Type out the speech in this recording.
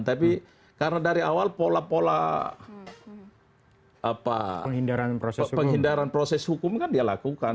tapi karena dari awal pola pola penghindaran proses hukum kan dia lakukan